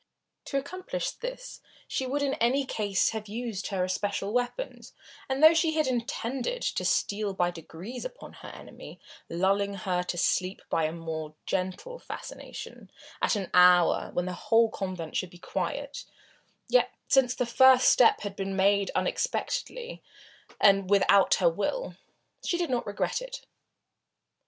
To accomplish this she would in any case have used her especial weapons, and though she had intended to steal by degrees upon her enemy, lulling her to sleep by a more gentle fascination, at an hour when the whole convent should be quiet, yet since the first step had been made unexpectedly and without her will, she did not regret it.